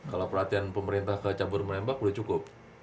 kalau perhatian pemerintah ke cabur menembak sudah cukup